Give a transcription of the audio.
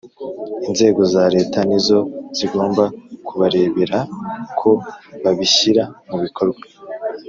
inzego za Leta nizo zigomba kubareberera ko babishyira mu bikorwa